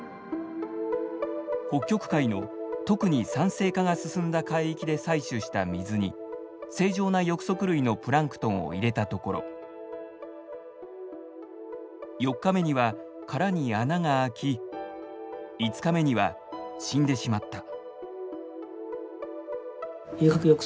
北極海の特に酸性化が進んだ海域で採取した水に正常な翼足類のプランクトンを入れたところ４日目には殻に穴が開き５日目には死んでしまった。